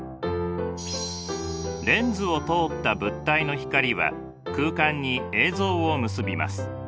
レンズを通った物体の光は空間に映像を結びます。